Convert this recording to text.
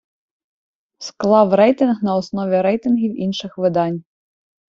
Склав рейтинг на основі рейтингів інших видань.